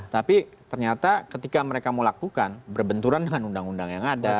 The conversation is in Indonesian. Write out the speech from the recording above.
tapi ternyata ketika mereka mau lakukan berbenturan dengan undang undang yang ada